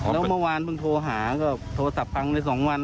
แล้วเมื่อวานเมื่อที่โภคหาก็โทรจับพัง๒วัน